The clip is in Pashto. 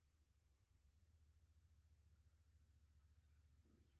په کندهار کې د خپل سفر په لومړي سر کې.